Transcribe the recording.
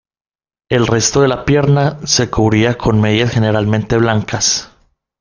El resto de la pierna se cubría con medias generalmente blancas.